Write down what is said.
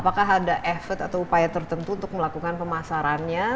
apakah ada efek atau upaya tertentu untuk melakukan pemasarannya